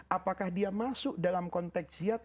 apakah dia masuk dalam konteks jihad